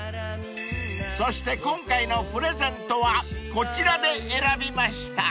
［そして今回のプレゼントはこちらで選びました］